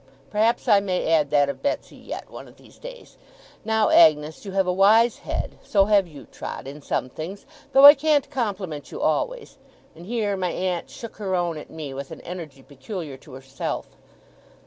Perhaps I may add that of Betsey yet, one of these days. Now, Agnes, you have a wise head. So have you, Trot, in some things, though I can't compliment you always'; and here my aunt shook her own at me, with an energy peculiar to herself.